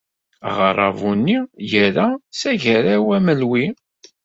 Aɣerrabu-nni yerra s Agaraw Amelwi.